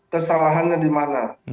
kesalahannya di mana